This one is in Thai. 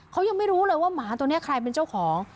เขายังไม่รู้เลยว่าหมาตัวนี้ใครเป็นเจ้าของ